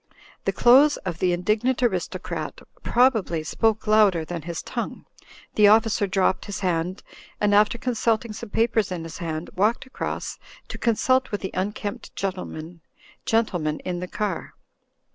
The clothes of the indignant aristocrat probably spoke louder than his tongue; the officer dropped his hand, and after consulting some papers in his hand, walked across to consult with the unkempt gentleman in the car.